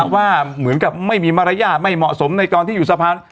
ว่าเหมือนกับไม่มีมารยาทไม่เหมาะสมในตอนที่อยู่สะพาน